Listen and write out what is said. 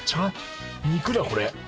肉だこれ。